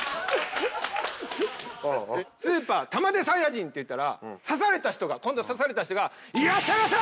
スーパー玉出サイヤ人って言ったら指された人が今度は指された人が「いらっしゃいませ！！」